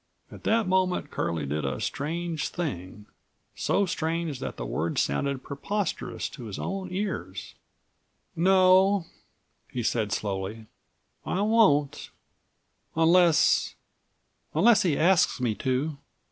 At that moment Curlie did a strange thing, so strange that the words sounded preposterous to his own ears:169 "No," he said slowly, "I won't, unless—unless he asks me to."